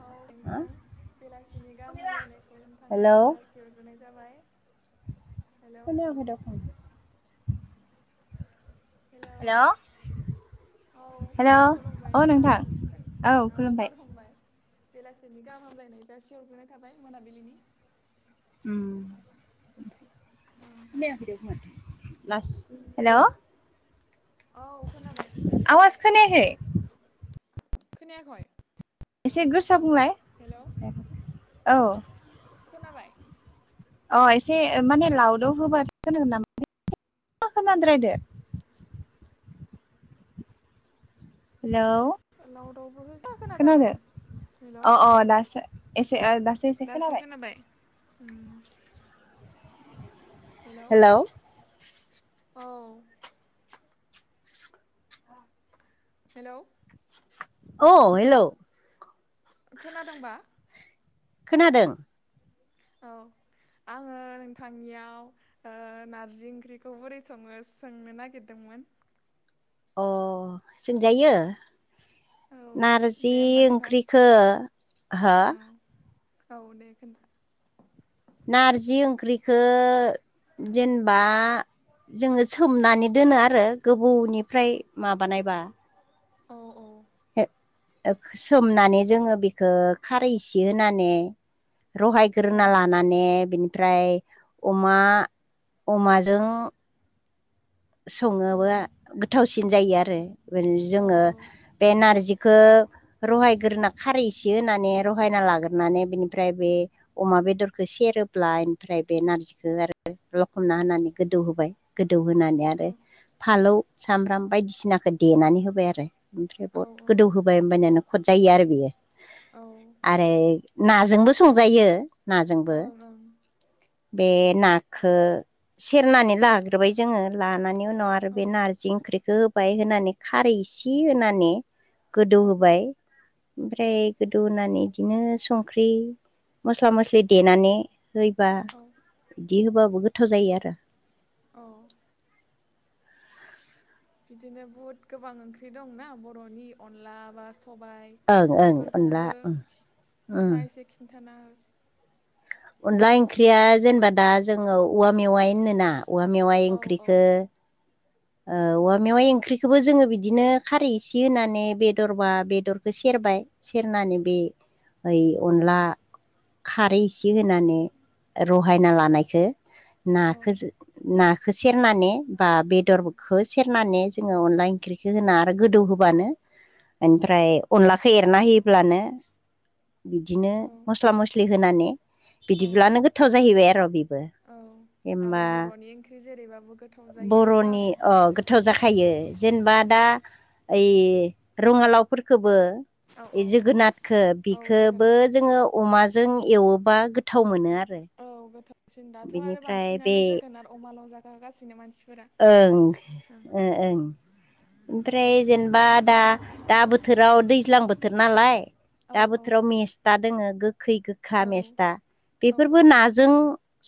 औ नोंथां बेलासिनि गाहाम हामलायनायखौ हेलौ नोंथांनिसिम जासिहरग्रोनाय जाबाय हेलौ [unintelligible] हेलौ हेल' औ हेल' खुलुमबाय औ नोंथां औ खुलुमबाय बेलासिनि गाहाम हामलायनाय जासि हरग्राय थाबाय मोनाबिलिनि हेल' औ खोनाबाय आवाज खोनायाखै खोनायाखै एसे गोसा बुंलाय हेल' औ खोनाबाय अ एसे माने लावउदाव होबा खोनागोन नामा मा [unintelligible] खोनाद्रायदो हेलौ लावदावबो हो जा [unintelligible] खोनाथारदों खोनादो नामा हेलौ अ अ दासो एसे दासो एसे खोनाबाय उम हेल' हेलौ औ हेलौ अ हेल' खोनादोंबा खोनादों औ आङो नोंथांनियाव ओ नारजि ओंख्रिखौ बोरै सङो सोंनो नागिरदोंमोन अ सोंजायो औ नारजि दे होमबा नोंथां ओंख्रिखो हो औ औ दे खोन्था नारजि ओंख्रिखो जेनेबा जोङो सोमनानै दोनो आरो गोबौनिफ्राय माबानायबा औ औ सोमनानै जोङो बेखौ खारै इसे होनानो औ रहायग्रोना ला नानै बिनिफ्राय अमा अमाजों औ सङोबा गोथावसिन जायो आरो औ जोङो बे नारजि खो रहायग्रोना खारैसे होननानै रहायना लाग्रोनानै बिनिफ्राय बे अमा बेदरखौ सेरोब्ला बेनिफ्राय बे नारजिखौ आरो लखमना होनानै गोदौ होबाय गोदौहोनानै आरो फालौ सामब्राम बायदिसिनाखौ देनानै होबाय आरो ओमफ्राय औ बहुद गोदौ होबाय नखद जायो आरो बेयो आरो नाजोंबो संजायो औ नाजोंबो ओं बे नाखो सेरनानै लाग्रोबाय जोङो लानानै उन उनाव आरो बे ओं नारजि ओंख्रिखौ होबाय होनानै खारै इसे होनाने औ औ गोदौहोबाय ओमफ्राय गोदौ होनानै बिदिनो संख्रि मस्ला मस्लि देनानै हैबा औ बिदि होबाबो गोथाव जायो आरो अ बिदिनो बहुद गोबां ओंख्रि दंना बर'नि अनला बा सबाइ ओं ओं अनला बेफोरखौबो ओं ओं नोंथाङा एसे खिन्थाना अनला ओंख्रिया जेनेबा दा जोङो औवा मेवाइ होनोना औवा मेवाइ हो औ औ ओंख्रिखो औवा मेवाइ ओंख्रिखौबो जोङो बिदिनो खारै इसे होनानै बेदरबा बेदरखौ सेरबाय सेरनानानै बे ओइ अनला खारै इसे होनानै रहायना लानायखो नाखो औ नाखो सेरनानै बा औ बेदर खो सेरनानै जोङो अनला ओंख्रिखो होना आरो गोदौ होबानो ओमफ्राय अनलाखौ एरना होयोब्लानो। बिदिनो औ मस्ला मस्लि होनानै औ बिदिब्लानो औ गोथाव जाहैबाय आरो‌ बेबो। औ आरो होमबा बर'नि ओंख्रि जेरैबाबो गोथाव जायो आरो ना। बर'नि अ गोथाव जाखायो जेनेबा दा। ओइ रङालावफोरखौबो औ जोगोनाथखौ औ बिखोबो जोगोनार जोङो अमाजों एवोबा गोथाव मोनो आरो। औ गोथावसिन दाथ' आरो बिनिफ्राय बे बांसिनानो जोगोन आरो अमाल' जागासिनो मानसिफोरा ओं ओं ओं ओमफ्राय जेनेबा दा। दा बोथोराव दैज्लां बोथोर नालाय औ दा औ बोथोराव मेस दा दोङो गोखै गोखा औ मेस्टा औ औ बेफोरबो नाजों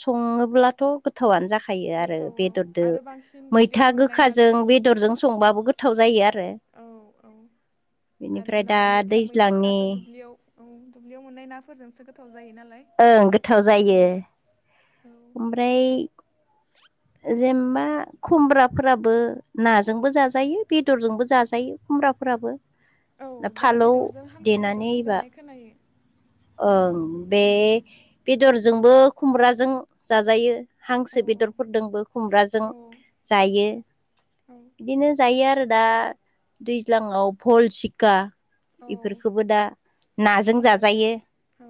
सङोब्लाथ' गोथावनो जाखायो आरो गोथाव औ आरो बेदरजों बांसिन दुब्लियाव मैथा मोननाय गोखाजों नाजों बेदरजों संबाबो गोथाव जायो आरो। औ औ आरो बेनिफ्राय ना दा मैथा दैज्लांनि मैथाफोराथ' दुब्लियाव औ दुब्लियाव मोननाय नाफोरजोंसो गोथाव जायो नालाय। ओं गोथाव जायो ओं औ ओमफ्राय जेनेबा खुमब्राफोराबो नाजोंबो जाजायो बेदरजोंबो जाजायो खुमब्राफोराबो। औ दाउ फालौ बेदरजों हांसो देनानै बेदरजों एबा जानाय खोनायो। ओं बे बेदरजोंबो खुमब्राजों जाजायो ओं हांसो औ बेदर फोरजोंबो खुमब्राजों औ जायो। औ बिदिनो जायो आरो दा दैज्लाङाव भल सिखा। औ औ बेफोरखौबो दा नाजों जाजायो। औ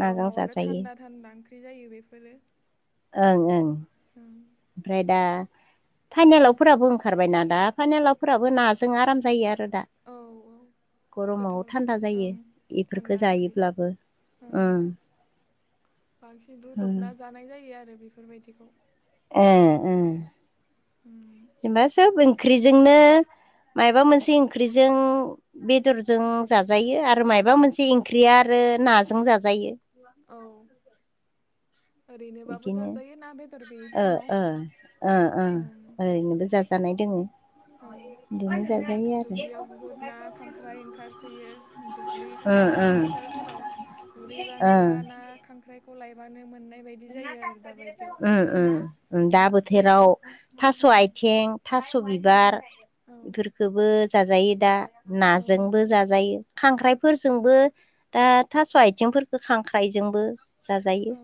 नाजों आरो जाजायो थान्दा थान्दा ओंख्रि जायो बेफोरो ओं ओं। ओं। ओमफ्राय दा फाइनलावफोराबो ओंखारबायना दा फाइनेलावफोराबो नाजों आराम जायो आरो दा औ औ। गरमाव गोथाव थान्दा जायो ओं इफोरखो थान्दा ओंख्रि जायोब्लाबो ओं। उम बांसिन उम रुदबना जानाय जायो आरो बेफोरबायदिखौ उम जेनेबा सोब ओंख्रिजोंनो माबा मोनसे ओंख्रिजों बेदरजों जाजायो आरो मबा मोनसे ओंख्रिया आरो नाजों जाजायो। औ। ओरैनोबाबो बिदिनो जाजायो ना बेदर गैयि टाइमाव ओं ओरैनोबो जा जानाय दोङो औ बिदिनो दाथ' जाजायो आरो दुब्लियाव बुहुद ना खांख्राय ओंखारसोयो ओ दुब्लि ओ फोथारफोराव गुरहैबानो ओ बा ना खांख्राइखौ लायबानो मोननाय बायदि जायो आरो दाबायदियाव औ दा बोथोराव थास' ओं आथिं थास' बिबार औ बेखोबो जाजायो दा औ नाजोंबो जाजायो। खांख्राइफोरजोंबो दा थास' आथिंफोरखो खांख्राइजोंबो जाजायो। औ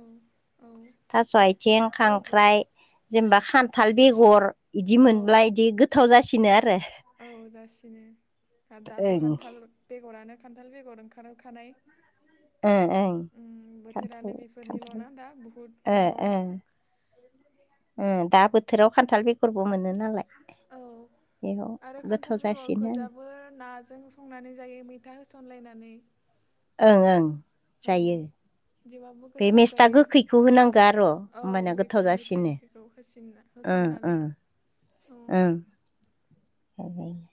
औ। थास' आथिं खांख्राइ जेनेबा खान्थाल बेगर बिदि औ मोनब्ला इदि गोथाव जासिनो आरो औ जासिनो दाथ' ओं खान्थाल बेगरानो खान्थाल बेगर ओंखारखानाय ओं ओं उ खान्थाल बोथोरानो बेफोरनिल' खान्थाल ना दा बुहुत ओ मैगं ओ दा बोथोराव खान्थाल बेगरबो मोनो नालाय। औ बेयाव आरो गोथाव खान्थाल जासिनो बेगरखौोजाबो नाजों संनानै जायो मैथा होसनलायनानै ओं ओं। औ जायो जबाबबो बे गोथाव मेस्था जायो गोखैखौ होनांगौ आर' होमबाना औ गोथाव बेखौ मैथा जासिनो गोखैखौ होसिनना। ओं होसननानै औ ओं [inaudible]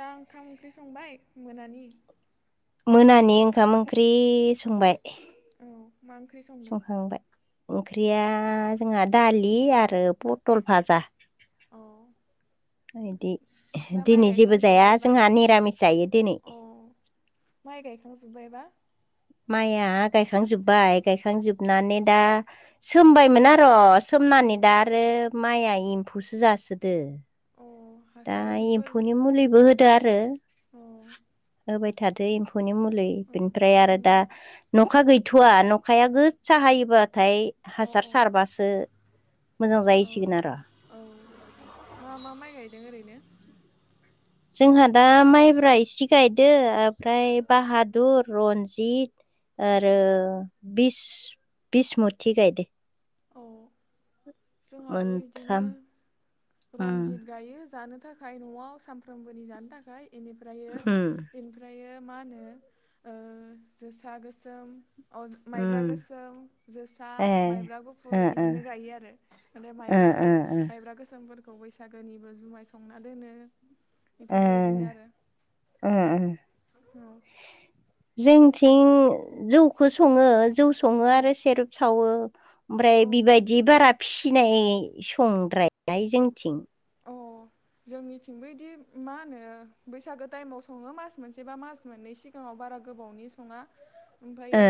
दा ओंखाम ओंख्रि संबाय मोनानि। मोनानि ओंखाम ओंख्रि संबाय। औ मा ओंख्रि संदों? संखांबाय ओंख्रिया जोंहा दालि आरो पटल भाजा। अ दि दा माइ दिनै जेबो जाया गायखांजोब्बायबा जोंहा निरामिस जायो दिनै। अ माइ गायखांजोब्बायबा? माइया गायखांजोब्बाय गायखांजोबनानै दा सोमबायमोन र' अ सोमनानै दा आरो माइआ एम्फौसो जासोदो। अ दा हासारफोर एम्फौनि अ मुलिबो होदो आरो औ होबाय थादो एम्फौनि मुलि। उम बेनिफ्राय आरो दा नखा गैथ'वा नखाया गो स हायोबा नाथाय अ हासार सारबासो मोजां औ जाहैसिगोन आर'। औ मा मा माइ गायदों ओरैनो? जोंहा दा माइब्रा इसे गायदो ओमफ्राय बाहादुर रनजित। औ आरो बिस बिस मुथि गायदो। औ जोंहाबो बिदिनो मोनथाम उम रन्जित गायो जानो थाखाय न'आव सानफ्रामबोनि जानो थाखाय बेनिफ्रायो उम इन ओमफ्रायो मा होनो ओ जोसा गोसोम। अ माइब्रा उम गोसोम जोसा ए माइब्रा गुफुर ओ फुल‌ बिदिनो गायो आरो ओमफाय ओ माइब्राखौ माइ मायब्रा गोसोमफोरखौ बैसागोनिबो जुमाय संना दोनो। ओ बेफोरबायदिनो आरो ओ ओ उम जोंथिं जौखौ सङो जौ सङो औ आरो सेरेप सावो। ओमफ्राय औ बिबायदि बारा फिनाय संद्रानाय जोंनिथिं अ जोंनिथिंबो बिदि मा होनो बैसागो टाइमाव सङो मास मोनसे बा मास मोननै सिगां सिगाङाव बारा गोबावनि सङा। ओ ओमफ्रायो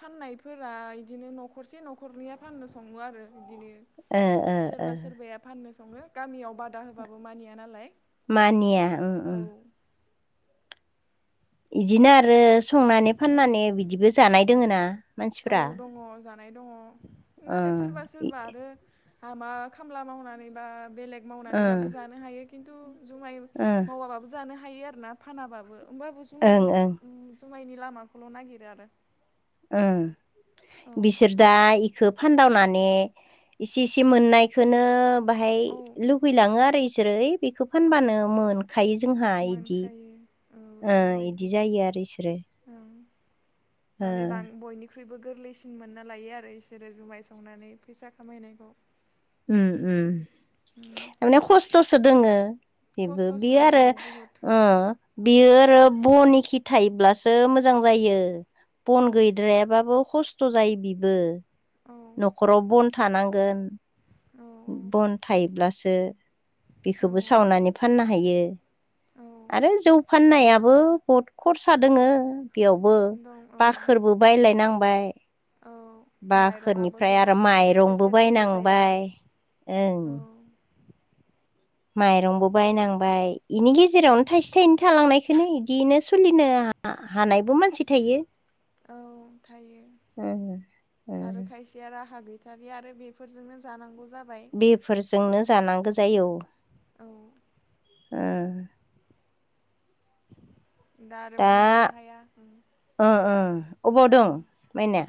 फाननायफोरा इदिनो न'खरसे न'खरनैया फाननो सङो आरो। बिदिनो ओ ओ ओ सोरबा सोरबाया फाननो सङो गामियाव बादा होबाबो मानिया नालाय। मानिया औ बिदिनो आरो संनानै औ फाननानै बिदिबो जानाय दोङोना? औ दङ जानाय दङ नाथाय ओं सोरबा सोरबा आरो हाबा खामला मावनानैबा बेलेग ओं मावनानैबाबो जानो हायो। खिन्थु जुमाइ ओं मावाबाबो जानो हायो आर ना फानाबाबो होमबाबो जुमाइ ओं ओं उम जुमायनि लामाखौल' नागिरो आरो। औ बिसोर दायो फानदावनानै इसे इसे मोननायखौनो बाहाय औ लुगैलाङो आरो इसोरो बेखौ फानबानो मोन खायो जोंहा इदि मोनखायो इफोरबायदि इदि ओ जायो आरो बिसोरो। औ माने सान बयनि फखुइबो गोरलैसिन मोनना लायो आरो बिसोरो जुमाय संनानै फैसा खामायनायखौ। उम उम उम माने खस्थ'सो दोङो। बेबो खस्थ'सो बेयो आरो नोङो बहुद अ बियो आरो बनि खि थायोब्लासो मोजां मोजां जायो बन औ गैद्रायाबाबो खस्थ' जायो बिबो। औ न'खराव बन थानांगो। बन थायोब्लासो औ बेखौबो सावनानै फाननो हायो औ औ आरो जौ फाननायाबो बहुद खरसा दोङो बेयावबो दं औ दं बाखोरबो बायलायनांबाय औ माइरंआबोथ' बाखोरनिफ्राय आरो सेरसे माइरंबो सेरनैजों जाया बायनांबाय ओं औ माइरंबो बायनांबाय बेनि गेजेरावनो थाइसे थाइनै थालांनायखौनो इदिनो सोलिनो हानायबो मानसि थायो औ थायो उम उम आरो खायसे या राहा गैथारारि आरो बेफोरजोंनो जानांगौ जा बेफोरजोंनो जानांगौ जायो औ ओ दा आरो बुंनोबो हाया ओ ओ अबाव दं माइनाया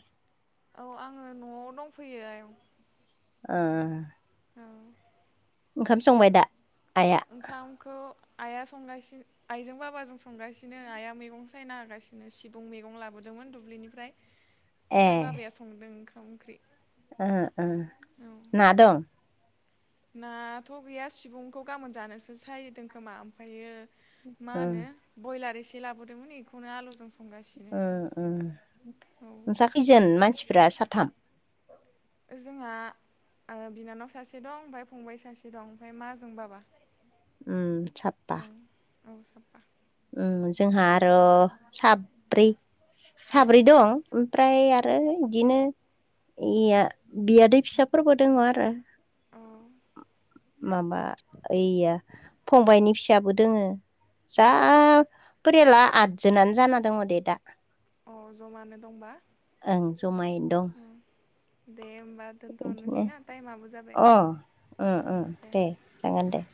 औ आङो न'आव दंफैयो आयं ओ ओं ओंखाम संबाय दा आया ओंखामखौ आया संगासि आइजों बाबाजों संगासिनो आया मैगं सायना हागासिनो सिबुं मैगं लाबोदोंमोन दुब्लिनिफ्राय ए ओमफ्राय बाबाया संदों ओंखाम ओंख्रि ओ ओ औ ना दं नाथ' गैया सिबुंखौ गाबोन जानोसो सायदों खोमा ओमफ्रायो मा उम होनो ब्रयलार एसे लाबोदोंमोन बेखौनो आलुजों संगासिनो उम उम औ नोंसा खैजोन मानसिफ्रा साथाम जोंहा आङो बिनानाव सासे दं ओमफफ्राय फंबाय सासे दं ओमफ्राय मा जों बाबा उम साबबा औ औ साबबा उम जोंहा आरो' साब्रै औ साब्रै दं ओमफ्राय औ आरो बिदिनो इया बियादै फिसाफोरबो दङ आरो औ माबा ओइया फंबायनि फिसाबो दोङो औ जा फोरियाला आदजोनानो जाना दङ दे दा अ जमानो दंबा ओं जमायै नो दं दे होमबा दोनथ'रनोसै बिदिनो ना टाइमाबो जाबाय अ ओ ओं ओ दे जागोन दे